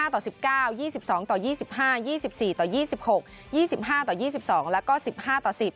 ต่อ๑๙๒๒ต่อ๒๕๒๔ต่อ๒๖๒๕ต่อ๒๒แล้วก็๑๕ต่อ๑๐